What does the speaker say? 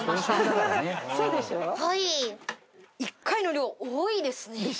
１回の量多いですね。